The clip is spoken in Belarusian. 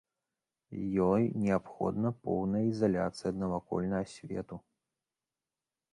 Ёй неабходная поўная ізаляцыя ад навакольнага свету.